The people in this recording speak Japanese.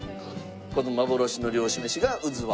この幻の漁師めしがうずわ。